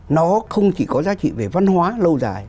nó không chỉ có giá trị về văn hóa lâu dài